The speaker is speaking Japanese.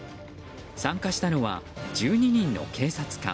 参加したのは１２人の警察官。